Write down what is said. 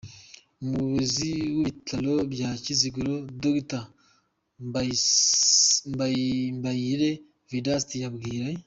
Umuyobozi w’ibitaro bya Kiziguro Dr. Mbayire Vedaste, yabwiye